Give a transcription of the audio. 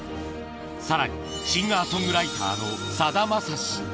さらに、シンガーソングライターのさだまさし。